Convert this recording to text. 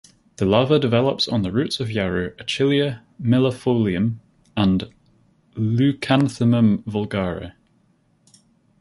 The larva develops on the roots of yarrow "Achillea millefolium" and "Leucanthemum vulgare".